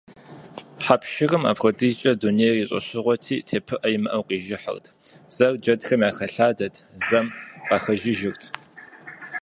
Хьэпшырым апхуэдизкӏэ дунейр и щӏэщыгъуэти, тепыӏэ имыӏэу къижыхьырт, зэм джэдхэм яхэлъадэрт, зэм къахэжыжырт.